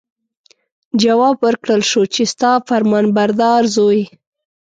جواب ورکړل شو چې ستا فرمانبردار زوی.